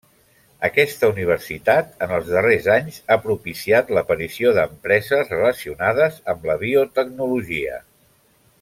Aquesta universitat, en els darrers anys ha propiciat l'aparició d'empreses relacionades amb la biotecnologia.